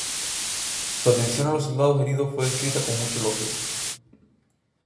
Su atención a los soldados heridos fue descrita con mucho elogio.